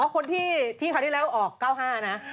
คนที่คราวที่แล้วออก๙๕นะ